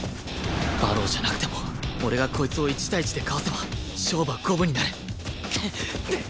馬狼じゃなくても俺がこいつを１対１でかわせば勝負は五分になるくっ！